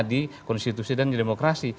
di konstitusi dan di demokrasi